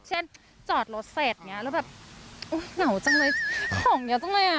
เช่นจอดลดเสร็จแล้วแบบโอ้ยเหงาจังเลยของเยาว์จังเลย